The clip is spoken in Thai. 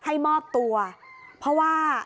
พอหลังจากเกิดเหตุแล้วเจ้าหน้าที่ต้องไปพยายามเกลี้ยกล่อม